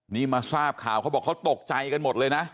นี่มาทราบข่าวเขาบอกเขาตกใจกันหมดเลยนะ